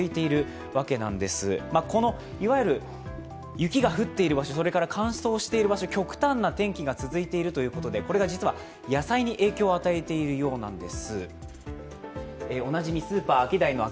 雪が降っている場所、乾燥している場所、極端な天気が続いているということでこれが実は野菜に影響を与えているようなんです。